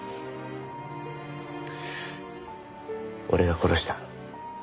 俺が殺した。